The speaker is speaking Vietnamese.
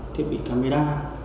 thiết bị camera